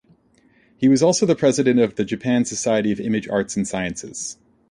He was also the President of the Japan Society of Image Arts and Sciences.